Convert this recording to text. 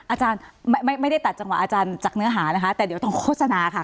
อาจารย์ไม่ได้ตัดจังหวะอาจารย์จากเนื้อหานะคะแต่เดี๋ยวต้องโฆษณาค่ะ